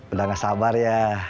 udah gak sabar ya